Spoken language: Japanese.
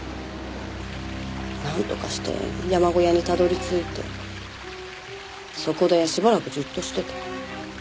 なんとかして山小屋にたどり着いてそこでしばらくじっとしてた。